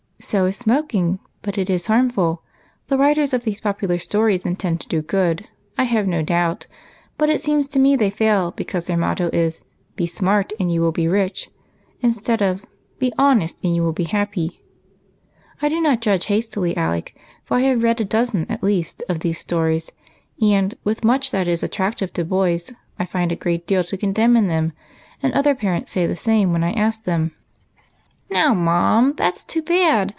"So is smoking, but it is harmful. The writers of these popular stories intend to do good, I have no doubt, but it seems to me they fail because their motto is, 'Be smart, and you will be rich,' instead of 'Be honest, and you will be happy.' I do not judge hastily. Alec, for I have read a dozen, at least, of these stories, and, with much that is attractive to boys, I find a great deal to condemn in them, and other parents say the same when I ask them." " Now, Mum, that's too bad